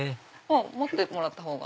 持ってもらったほうが。